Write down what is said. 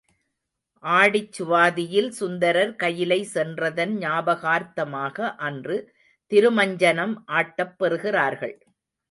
ஆடிச்சுவாதியில் சுந்தரர் கயிலை சென்றதன் ஞாபகார்த்தமாக அன்று திருமஞ்சனம் ஆட்டப் பெறுகிறார்கள்.